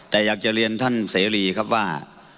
แต่อยากจะเรียนท่านเสรีครับว่า